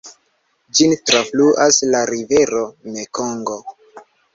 Ĝin trafluas la rivero Mekongo.